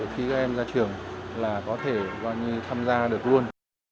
khi các em ra trường là có thể gọi như tham gia được luôn